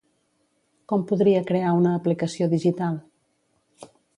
Com podria crear una aplicació digital?